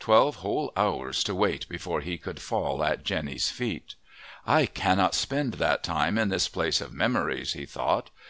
Twelve whole hours to wait before he could fall at Jenny's feet! "I cannot spend that time in this place of memories," he thought.